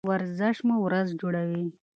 ورزش مو ورځ جوړوي.